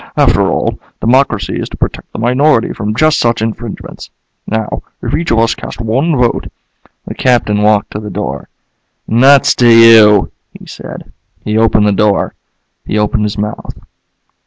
After all, democracy is to protect the minority from just such infringements. Now, if each of us casts one vote " The Captain walked to the door. "Nuts to you," he said. He opened the door. He opened his mouth.